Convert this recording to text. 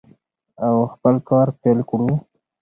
او خپل کار پیل کړو.